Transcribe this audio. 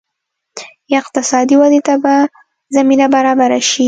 اقتصادي ودې ته به زمینه برابره شي.